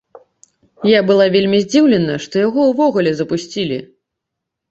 Я была вельмі здзіўлена, што яго ўвогуле запусцілі.